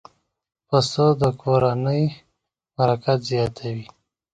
پسه د کورنۍ برکت زیاتوي.